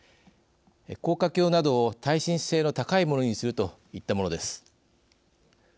高架橋などを耐震性の高いものにするといったものです。